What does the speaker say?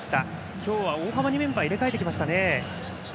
今日は大幅にメンバーを入れ替えてきましたね。